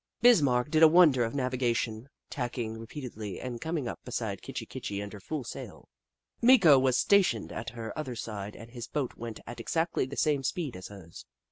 Bis marck did a wonder of navigation, tacking re peatedly and coming up beside Kitchi Kitchi under full sail. Meeko was stationed at her other side and his boat went at exactly the same speed as hers.